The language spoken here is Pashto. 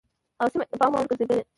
او سيمه يې د پام وړ ګرځېدلې